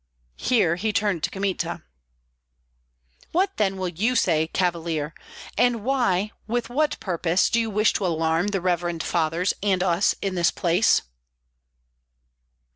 Here he turned to Kmita, "What then will you say, Cavalier, and why, with what purpose, do you wish to alarm the reverend fathers and us in this place?"